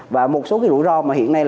và một số rủi ro mà hiện nay